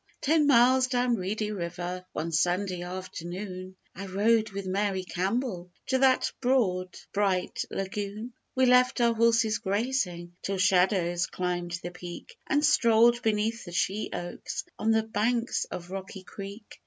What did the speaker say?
Ten miles down Reedy River One Sunday afternoon, I rode with Mary Campbell To that broad bright lagoon; We left our horses grazing Till shadows climbed the peak, And strolled beneath the sheoaks On the banks of Rocky Creek.